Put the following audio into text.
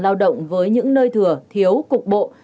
lao động với những nơi thừa thiếu cục bộ